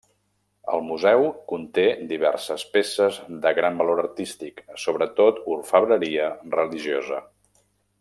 El Museu conté diverses peces de gran valor artístic, sobretot orfebreria religiosa.